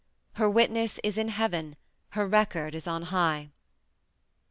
Her "witness is in heaven, her record is on high.